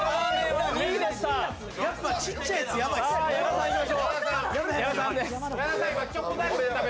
やっぱ小っちゃいやつやばいですね。